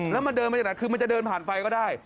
แล้วมันเดินมาจากไหนคือมันจะเดินผ่านไฟก็ได้